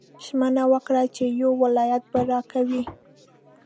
ژمنه وکړه چې یو ولایت به راکوې.